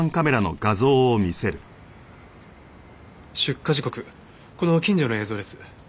出火時刻この近所の映像です。